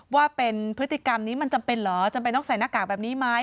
ว่าเป็นพฤติกรรมนี้มันจำเป็นเหรอจำเป็นต้องใส่หน้ากากแบบนี้ไหม